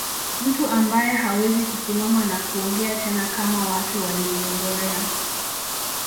Mtu ambae hawezi kusimama na kuongea tena kama watu walivyozoea